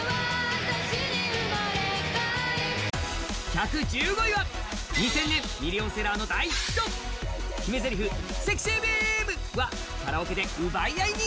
１１５位は２０００年ミリオンセラーの大ヒット決めぜりふ「ＳＥＸＹビーム！」はカラオケで奪い合いに！